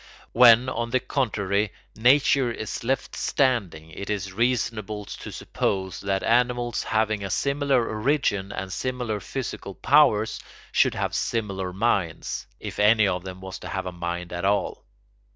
When, on the contrary, nature is left standing, it is reasonable to suppose that animals having a similar origin and similar physical powers should have similar minds, if any of them was to have a mind at all.